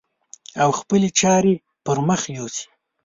او خپلې چارې پر مخ يوسي.